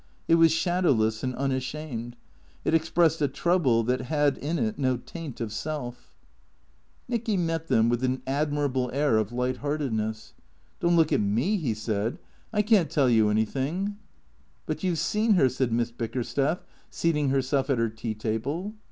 It was shadowless and unashamed ; it expressed a trouble that had in it no taint of self. 06 THECEEATORS 97 Nicky met them with an admirable air of light hearted ness. " Don't look at me/' he said. " I can't tell you any thing/' " But — you 've seen her/' said Miss Bickersteth, seating her self at her tea table.